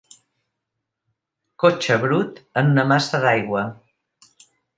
Cotxe brut en una massa d'aigua